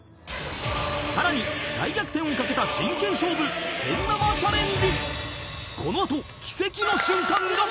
［さらに大逆転を懸けた真剣勝負けん玉チャレンジ］